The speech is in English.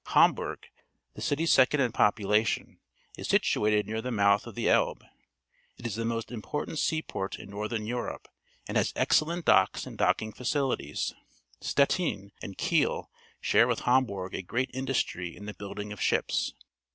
Hamburg, the city second in population, is situated near the mouth_ of the Elb e. It is the most important seaport in Northern 188 PUBLIC SCHOOL GEOGRAPHY Europe and has excellent docks and docking facilities, ^^tin and Kid share with Ham burg a great industry in the buildingj)f ships.